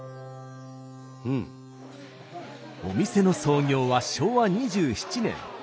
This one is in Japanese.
お店の創業は昭和２７年。